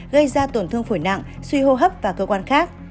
gây ra tổn thương phổi nặng suy hô hấp và cơ quan khác